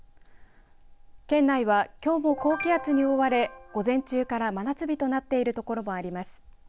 県内はきょうも高気圧に覆われ午前中から真夏日となってる所もあります。